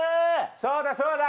そうだそうだ！